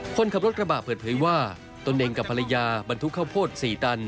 คนขับรถกระบะเปิดเผยว่าตนเองกับภรรยาบรรทุกข้าวโพด๔ตัน